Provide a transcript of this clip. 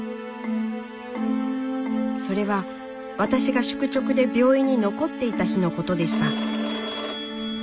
それは私が宿直で病院に残っていた日のことでした。